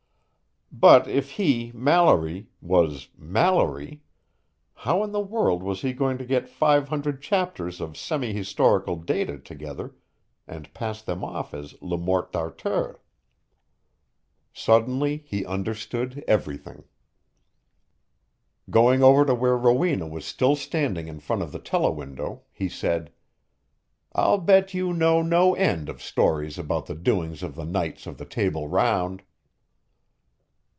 But if he, Mallory, was Malory, how in the world was he going to get five hundred chapters of semi historical data together and pass them off as Le Morte d'Arthur? Suddenly he understood everything. Going over to where Rowena was still standing in front of the telewindow, he said, "I'll bet you know no end of stories about the doings of the knights of the Table Round."